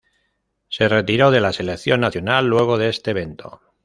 Se retiró de la Selección nacional luego de este evento.